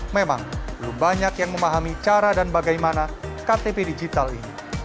memang belum banyak yang memahami cara dan bagaimana ktp digital ini